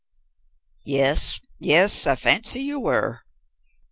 "Yes, yes. I fancy you were."